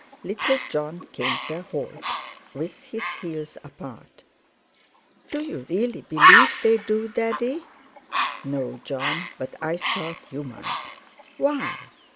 Little Jon came to a halt, with his heels apart. "Do you really believe they do, Daddy?" "No, Jon, but I thought you might." "Why?"